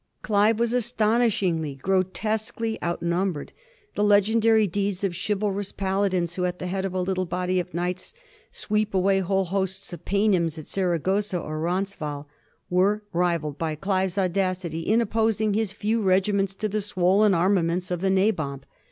Olive was astonishingly, grotesquely out numbered. The legendary deeds of chivalrous paladins who at the head of a little body of knights sweep away whole hosts of paynims at Saragossa or Roncesvalles were rivalled by Olive's audacity in opposing his few regiments to the swollen armament of the Nabob.